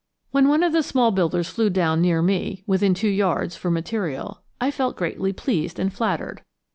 When one of the small builders flew down near me within two yards for material, I felt greatly pleased and flattered.